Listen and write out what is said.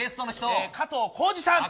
加藤浩次さん